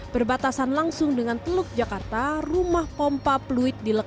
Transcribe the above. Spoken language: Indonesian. berbatasan langsung dengan teluk jakarta rumah pompa fluid di leluhu